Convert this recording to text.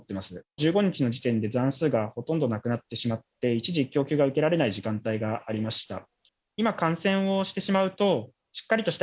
１５日の時点で、残数がほとんどなくなってしまって、一時、供給が受けられない時間帯がありました。